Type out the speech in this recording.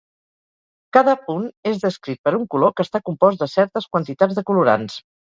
Cada punt és descrit per un color que està compost de certes quantitats de colorants.